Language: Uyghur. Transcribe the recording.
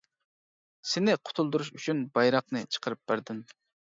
سېنى قۇتۇلدۇرۇش ئۈچۈن بايراقنى چىقىرىپ بەردىم.